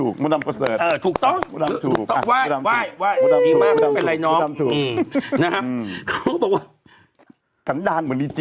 ก็มันเขียนมากี่จุดฉันก็จะต้องอ่านทุกจุด